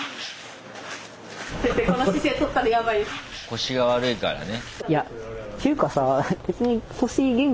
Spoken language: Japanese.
腰が悪いからね。